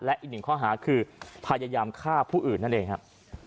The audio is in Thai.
และอีกหนึ่งข้อหาคือพยายามฆ่าผู้อื่นนั่นเองครับ